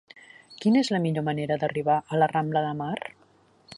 Quina és la millor manera d'arribar a la rambla de Mar?